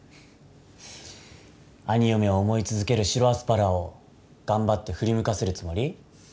兄嫁を思い続ける白アスパラを頑張って振り向かせるつもり？